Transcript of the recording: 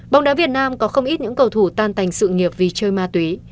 bóng đá việt nam có không ít những cầu thủ tan thành sự nghiệp vì chơi ma túy